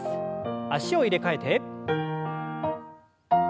脚を入れ替えて。